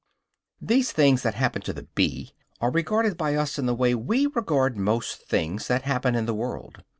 These things that happen to the bee are regarded by us in the way we regard most things that happen in the world.